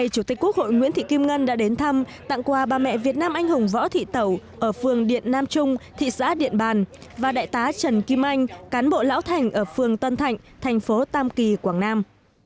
chủ tịch quốc hội nguyễn thị kim ngân đã đến thăm tặng quà bà mẹ việt nam anh hùng võ thị tẩu ở phường điện nam trung thị xã điện bàn và đại tá trần kim anh cán bộ lão thành ở phường tân thạnh thành phố tam kỳ quảng nam